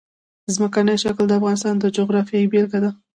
ځمکنی شکل د افغانستان د جغرافیې بېلګه ده.